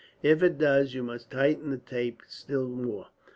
If it does, you must tighten that tape still more.